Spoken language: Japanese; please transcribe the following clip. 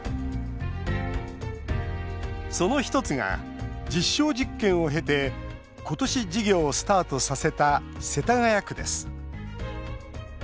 その１つが実証実験を経て今年、事業をスタートさせた世田谷区です。